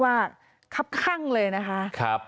ว่าคับข้างเลยนะคะ